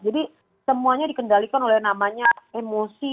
jadi semuanya dikendalikan oleh namanya emosi